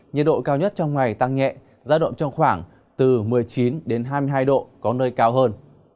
nhiệt độ cao nhất trong ngày tăng nhẹ ra động trong khoảng một mươi chín hai mươi hai độ có nơi cao hơn